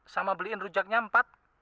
sama beliin rujaknya empat